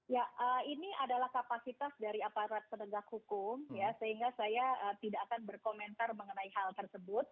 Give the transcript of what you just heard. ya ini adalah kapasitas dari aparat penegak hukum ya sehingga saya tidak akan berkomentar mengenai hal tersebut